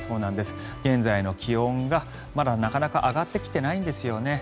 現在の気温がまだなかなか上がってきてないんですよね。